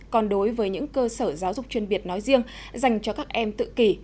còn đối với những cơ sở giáo dục chuyên biệt nói riêng dành cho các em tự kỷ